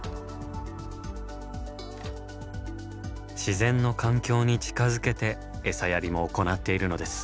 自然の環境に近づけて餌やりも行っているのです。